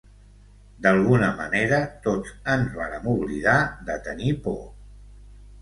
D'alguna manera, tots ens vàrem oblidar de tenir por.